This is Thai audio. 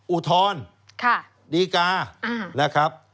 อุทธรณ์ดีกานะครับ